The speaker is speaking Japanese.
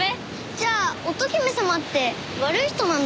じゃあ乙姫様って悪い人なんだが？